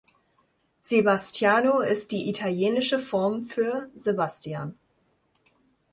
Sebastiano ist die Italienische Form für Sebastian.